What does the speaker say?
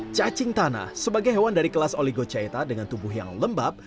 cacing tanah sebagai hewan dari kelas oligoceta dengan tubuh yang lembab